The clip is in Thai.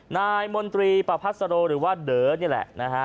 นายมดปภาษฎาโลย์หรือว่าเด๋อร์นี่แหละนะฮะ